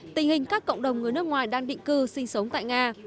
tình hình các cộng đồng người nước ngoài đang định cư sinh sống tại nga